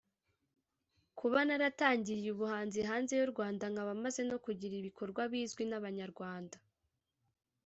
Kuba naratangiriye ubuhanzi hanze y’u Rwanda nkaba maze no kugira ibikorwa bizwi n’abanyarwanda